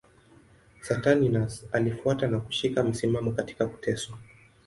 Saturninus alifuata na kushika msimamo katika kuteswa.